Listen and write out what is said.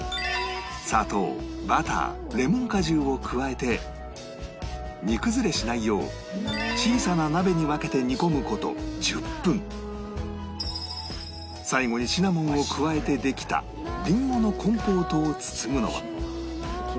砂糖バターレモン果汁を加えて煮崩れしないよう最後にシナモンを加えてできたりんごのコンポートを包むのは